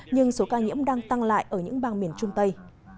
nhưng số ca nhiễm đang tăng lại ở những bang miền trung tây